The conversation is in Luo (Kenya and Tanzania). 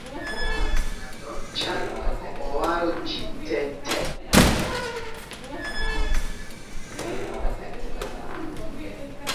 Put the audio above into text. to ng'ama owaro ng'ato chal kaka owaro ji te te